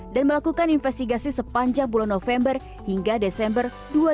dan melakukan investigasi sepanjang bulan november hingga desember dua ribu tujuh belas